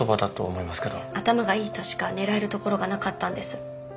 頭がいい人しか狙えるところがなかったんです。